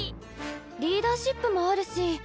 リーダーシップもあるし。